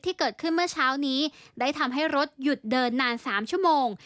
ที่เกิดขึ้นเมื่อเช้านี้ได้ทำให้รถหยุดเดินนาน๓ชั่วโมง